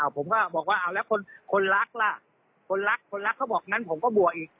ผมก็บอกว่าเอาแล้วคนรักล่ะคนรักคนรักเขาบอกงั้นผมก็บวกอีก